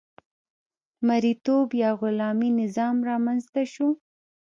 مرئیتوب یا غلامي نظام رامنځته شو.